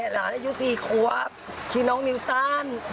หลายอยู่สี่ครัวชื่อน้องนิวตัน